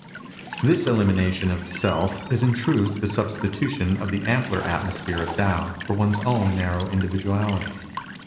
This elimination of self is in truth the sub stitution of the ampler atmosphere of Tao for one's own narrow individuality.